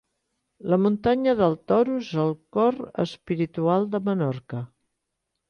La muntanya del Toro és el cor espiritual de Menorca.